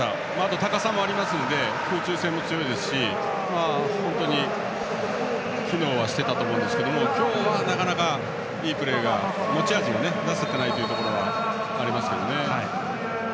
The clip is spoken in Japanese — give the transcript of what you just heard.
高さもありますので空中戦も強いですし、本当に機能はしていたと思うんですけど今日はなかなかいいプレー、持ち味が出せていないところがありますね。